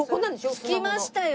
着きましたよ。